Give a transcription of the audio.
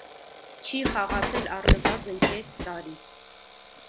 Չի խաղացել առնվազն կես տարի։